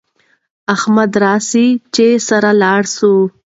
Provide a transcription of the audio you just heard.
احمده راسه چې سره لاړ سو